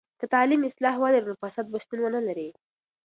که تعلیم اصلاح ولري، نو فساد به شتون ونلري.